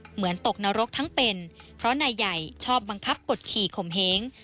เหมือนตกนรกทั้งเป็นเพราะนายใหญ่ชอบบังคับกดขี่ขมเหง